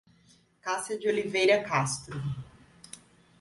Cassia de Oliveira Castro